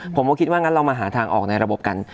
ผมก็คิดว่างั้นเรามาหาทางออกในระบบกัน